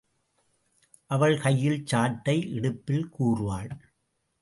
அவள் கையில் சாட்டை இடுப்பில் கூர்வாள்!